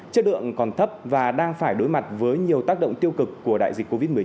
chất lượng còn thấp và đang phải đối mặt với nhiều tiềm năng